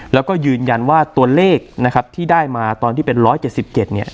แล้วก็ยืนยันว่าตัวเลขนะครับที่ได้มาตอนที่เป็น๑๗๗เนี่ย